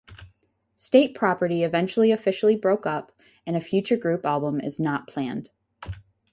State Property eventually officially broke up, and a future group album is not planned.